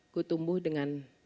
gue tumbuh dengan